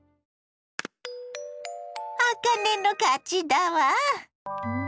あかねの勝ちだわ。